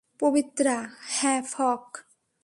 পবিত্রা, হ্যাঁ ফক!